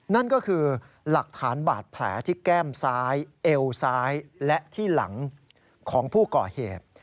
นั่นก็คือหลักฐานบาดแผลที่แก้มซ้ายเอวซ้ายและที่หลังของผู้ก่อเหตุ